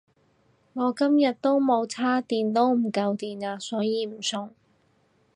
我今日都冇叉電都唔夠電呀所以唔送